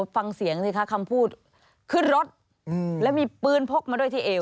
ฟังเสียงสิคะคำพูดขึ้นรถแล้วมีปืนพกมาด้วยที่เอว